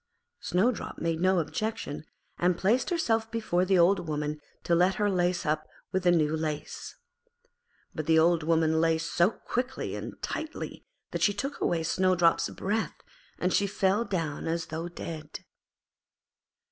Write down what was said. Snowdrop made no objection, and placed herself before the Old Woman to let her lace her with the new lace. But the Old Woman laced so quickly and tightly that she took away Snowdrop's breath and she fell down as though dead.